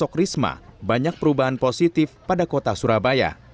untuk risma banyak perubahan positif pada kota surabaya